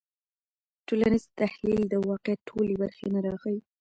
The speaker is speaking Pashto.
ټولنیز تحلیل د واقعیت ټولې برخې نه راښيي.